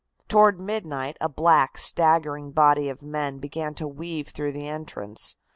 Toward midnight a black, staggering body of men began to weave through the entrance.